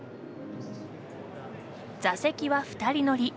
座席は２人乗り。